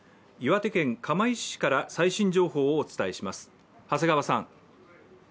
岩手県釜石市から最新情報をお伝えします。